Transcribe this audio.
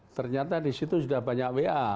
ternyata di situ sudah banyak wa